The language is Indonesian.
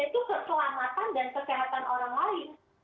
yaitu keselamatan dan kesehatan orang lain